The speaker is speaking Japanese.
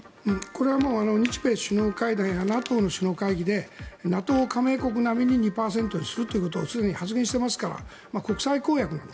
これはもう日米首脳会談やＮＡＴＯの首脳会議でＮＡＴＯ加盟国並みに２％にするということをすでに発言していますから国際公約なの。